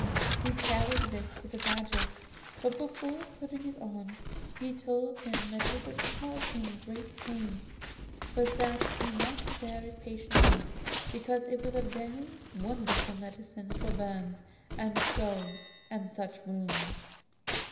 He carried this to the badger, but before putting it on he told him that it would cause him great pain, but that he must bear it patiently, because it was a very wonderful medicine for burns and scalds and such wounds.